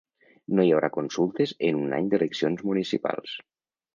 No hi haurà consultes en any d’eleccions municipals.